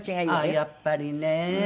あっやっぱりね。